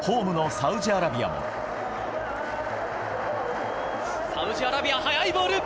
サウジアラビア、速いボール。